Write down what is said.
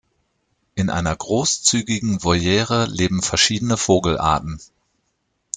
In einer großzügigen Voliere leben verschiedene Vogelarten.